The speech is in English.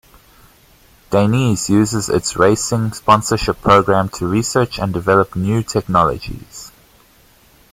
Dainese uses its racing sponsorship program to research and develop new technologies.